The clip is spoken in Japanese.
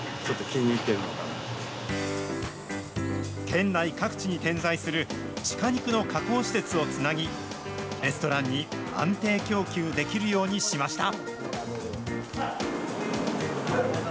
県内各地に点在するシカ肉の加工施設をつなぎ、レストランに安定供給できるようにしました。